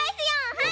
はい。